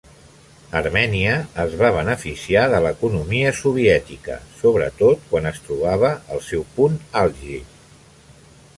Armènia es va beneficiar de l'economia soviètica, sobretot quan es trobava al seu punt àlgid.